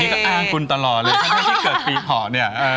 นี่ก็อ้างกุ่นตลอดเลยที่เกิดปีเผาเนี่ย